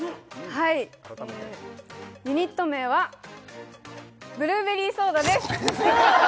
はいユニット名はブルーベリーソーダです